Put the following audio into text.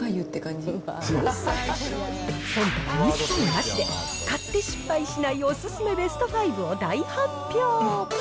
そんたく一切なし、買って失敗しないお勧めベスト５を大発表。